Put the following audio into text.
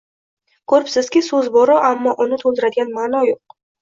Ko‘ribsizki, so‘z bor-u, ammo uni to‘ldiradigan ma’no yo‘q